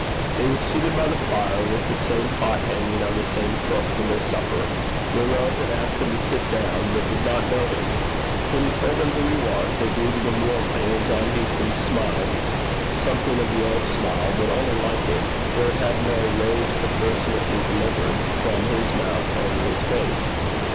They were seated by the fire, with the same pot hanging on the same crook for their supper. They rose, and asked him to sit down, but did not know him. When he told them who he was, they greeted him warmly, and John Hewson smiled something of the old smile, but only like it, for it had no 'rays proportionately delivered' from his mouth over his face.